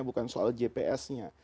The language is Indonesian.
bukan soal gpsnya